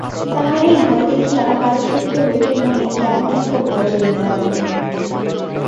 তাহার এই ভয় দেখিয়া বাড়িসুদ্ধ লোকের মনে কেমন একটা ভয় জন্মিয়া গেল।